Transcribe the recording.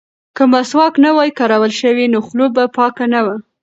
که مسواک نه وای کارول شوی نو خوله به پاکه نه وه.